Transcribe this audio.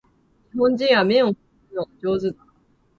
日本人は麺を啜るのが上手だ